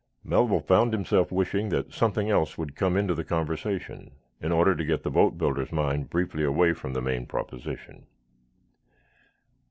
Melville found himself wishing that something else would come into the conversation, in order to get the boatbuilder's mind briefly away from the main proposition.